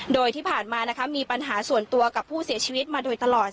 โดยที่ผ่านมานะคะมีปัญหาส่วนตัวกับผู้เสียชีวิตมาโดยตลอด